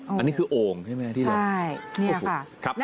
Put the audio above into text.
อันนี้คือโอ่งใช่ไหมใช่นี่ค่ะ